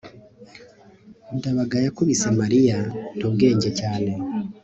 ndabaga yakubise mariya nta ubwenge cyane